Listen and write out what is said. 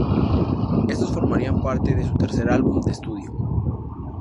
Estos formarían parte de su tercer álbum de estudio.